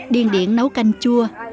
điên điển nấu canh chua